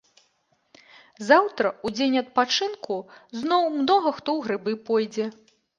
Заўтра, у дзень адпачынку, зноў многа хто ў грыбы пойдзе.